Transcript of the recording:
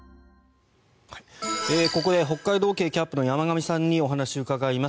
ここで北海道警キャップの山上さんにお話を伺います。